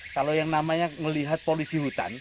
kalau yang namanya melihat polisi hutan